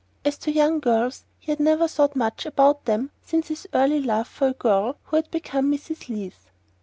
As to young girls, he had never thought much about them since his early love for the girl who had become Mrs. Leath.